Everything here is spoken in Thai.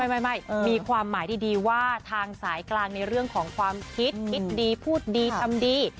ไม่มีความหมายดีว่าทางสายกลางในเรื่องของความคิดคิดดีพูดดีทำดี